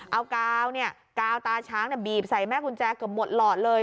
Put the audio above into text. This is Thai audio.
เอากาวเนี่ยกาวตาช้างบีบใส่แม่กุญแจเกือบหมดหลอดเลย